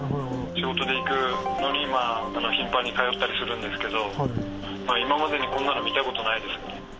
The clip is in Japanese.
仕事で行くのに頻繁に通ったりするんですけれども、今までにこんなの見たことないです。